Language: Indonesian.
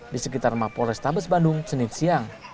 di sekitar mapolres tabes bandung senin siang